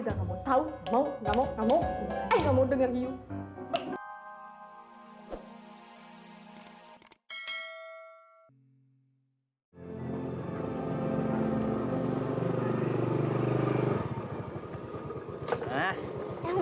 udah mau tahu mau nggak mau kamu enggak mau denger